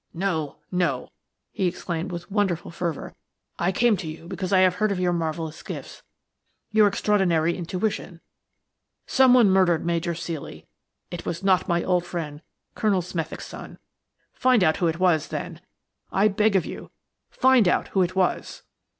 No, no!" he exclaimed with wonderful fervour. "I came to you because I have heard of your marvellous gifts, your extraordinary intuition. Someone murdered Major Ceely! It was not my old friend Colonel Smethick's son. Find out who it was, then! I beg of you, find out who it was!"